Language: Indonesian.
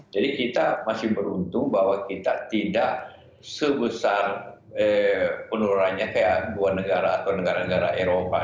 jadi kita masih beruntung bahwa kita tidak sebesar penurunannya kayak dua negara atau negara negara eropa